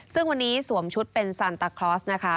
ซึ่งวันนี้สวมชุดเป็นซันตาคลอสนะคะ